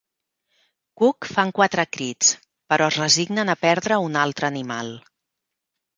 Cook fan quatre crits, però es resignen a perdre un altre animal.